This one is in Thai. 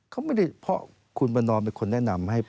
เขาไม่ได้เพราะคุณประนอมเป็นคนแนะนำให้